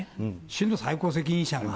市の最高責任者が。